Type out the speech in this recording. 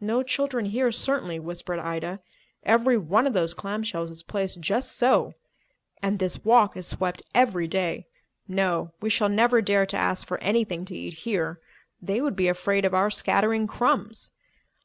"No children here, certainly," whispered Ida. "Every one of those clam shells is placed just so. And this walk is swept every day. No, we shall never dare to ask for anything to eat here. They would be afraid of our scattering crumbs."